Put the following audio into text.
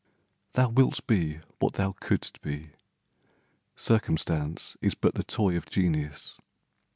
Thou wilt be what thou couldst be. Circumstance Is but the toy of genius.